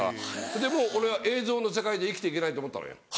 でもう俺は映像の世界で生きて行けないと思ったのよ。